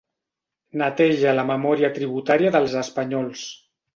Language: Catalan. Neteja la memòria tributària dels espanyols.